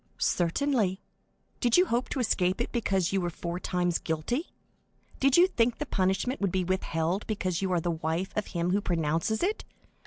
"Certainly. Did you hope to escape it because you were four times guilty? Did you think the punishment would be withheld because you are the wife of him who pronounces it?